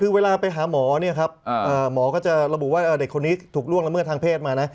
คือเวลาไปหาหมอเนี่ยครับหมอก็จะระบุว่าเด็กคนนี้ถูกล่วงละเมิดทางเพศมานะ